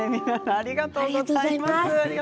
ありがとうございます。